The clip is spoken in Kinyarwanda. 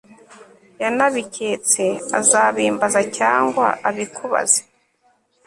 yanabiketse azabimbaza cyangwa abikubaze